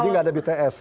jadi nggak ada bts